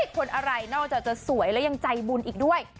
คนอะไรนอกจากจะสวยและยังใจบุญอีกด้วย